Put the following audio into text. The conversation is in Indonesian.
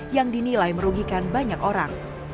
yang dinilai merugikan banyak orang